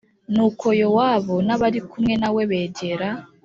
Nuko Yowabu n abari kumwe na we begera